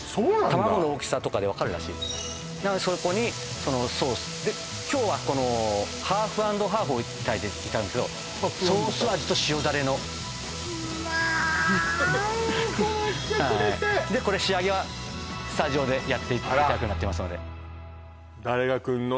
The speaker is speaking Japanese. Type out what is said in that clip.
卵の大きさとかでわかるらしいそこにそのソースきょうはこのハーフ＆ハーフをいただいてハーフ＆ハーフソース味と塩ダレのまあこまっしゃくれてこれ仕上げはスタジオでやっていただくようになってますので誰が来んの？